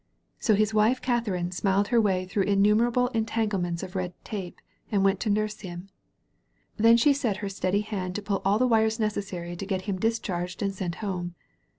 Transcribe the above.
So his wife Katharine smiled her way through innumerable entanglements of red tape and went to nurse him. Then she set her steady hand to pull all the wires necessary to get him discharged and sent home.